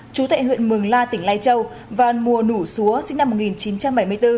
chú tại huyện mường la tỉnh lai châu và mùa nủ xúa sinh năm một nghìn chín trăm bảy mươi bốn